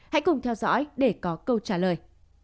hãy cùng theo dõi để có câu trả lời